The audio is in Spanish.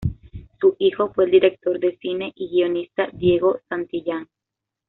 Su hijo fue el director de cine y guionista Diego Santillán.